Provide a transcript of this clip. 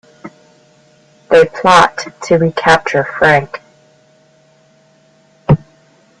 They plot to recapture Frank.